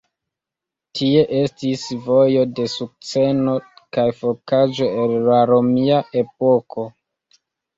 Tie estis Vojo de Sukceno kaj fortikaĵo el la romia epoko.